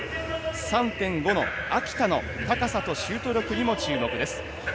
３．５の秋田の高さとシュート力に注目です。